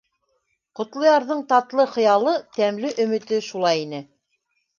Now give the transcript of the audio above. Ҡотлоярҙың татлы хыялы, тәмле өмөтө шулай ине.